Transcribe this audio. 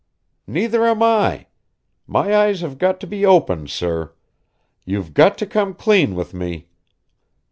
"Neither am I. My eyes have got to be opened, sir. You've got to come clean with me.